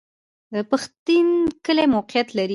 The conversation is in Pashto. د پښتین کلی موقعیت